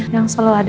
yang selalu ada